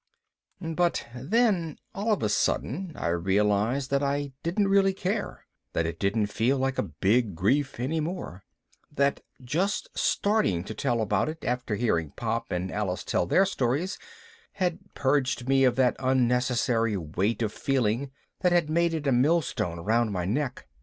But then all of a sudden I realized that I didn't really care, that it didn't feel like a Big Grief any more, that just starting to tell about it after hearing Pop and Alice tell their stories had purged it of that unnecessary weight of feeling that had made it a millstone around my neck.